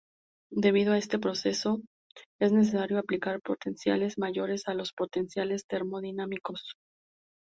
Debido a este proceso es necesario aplicar potenciales mayores a los potenciales termodinámicos.